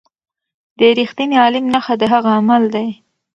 د رښتیني عالم نښه د هغه عمل دی.